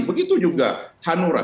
begitu juga hanura